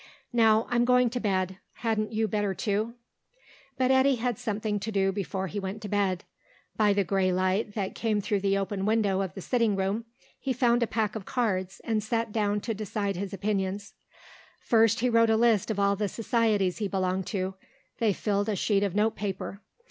Now I'm going to bed. Hadn't you better, too?" But Eddy had something to do before he went to bed. By the grey light that came through the open window of the sitting room, he found a pack of cards, and sat down to decide his opinions. First he wrote a list of all the societies he belonged to; they filled a sheet of note paper.